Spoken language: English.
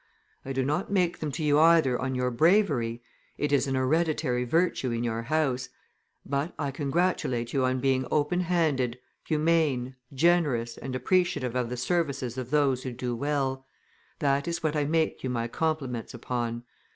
I do not make them to you either on your bravery; it is an hereditary virtue in your house; but I congratulate you on being open handed, humane, generous, and appreciative of the services of those who do well; that is what I make you my compliments upon."